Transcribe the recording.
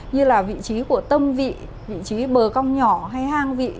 như là vị trí của tâm vị vị trí bờ cong nhỏ hay hang vị